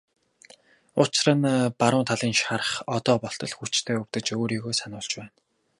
Учир нь баруун талын шарх одоо болтол хүчтэй өвдөж өөрийгөө сануулж байна.